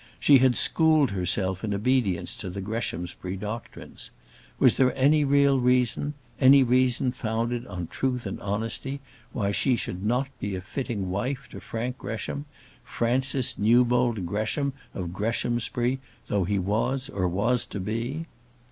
She had schooled herself in obedience to the Greshamsbury doctrines. Was there any real reason, any reason founded on truth and honesty, why she should not be a fitting wife to Frank Gresham, Francis Newbold Gresham, of Greshamsbury, though he was, or was to be?